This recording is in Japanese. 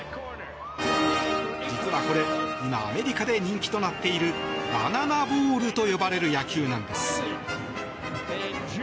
実はこれ、今アメリカで人気となっているバナナボールと呼ばれる野球なんです。